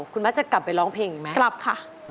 คุณมัดจะกลับไปร้องเพลงอีกไหมกลับค่ะ